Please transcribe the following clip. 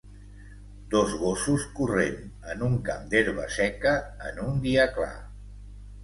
Dos gossos corrent en un camp d'herba seca en un dia clar